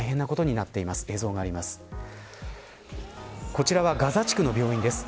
こちらはガザ地区の病院です。